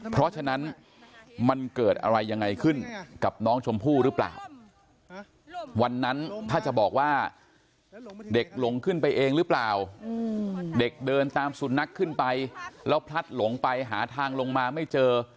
เพราะฉะนั้นมันเกิดอะไรยังไงขึ้นกับน้องชมพู่หรือเปล่าวันนั้นถ้าจะบอกว่าเด็กหลงขึ้นไปเองหรือเปล่าเด็กเดินตามสุนัขขึ้นไปแล้วพลัดหลงไปหาทางลงมาไม่เจอ